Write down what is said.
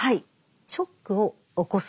ショックを起こす。